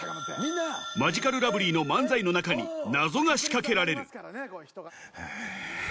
マヂカルラブリーの漫才の中に謎が仕掛けられるはぁ。